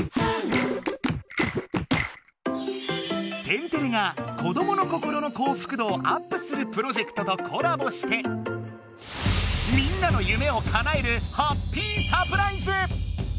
「天てれ」が子どもの心の幸福度をアップするプロジェクトとコラボしてみんなの夢をかなえるハッピーサプライズ！